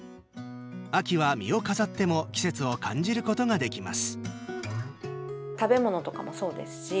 秋は実を飾っても季節を感じることができます。